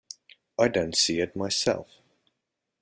I don't see it myself.